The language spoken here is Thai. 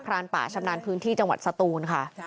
รานป่าชำนาญพื้นที่จังหวัดสตูนค่ะ